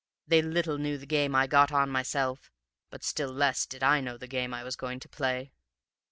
They little knew the game I'd got on myself, but still less did I know the game I was going to play.